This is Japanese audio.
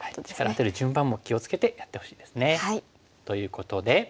アテる順番も気を付けてやってほしいですね。ということで。